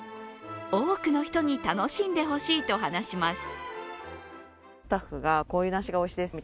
多くの人に楽しんでほしいと話します。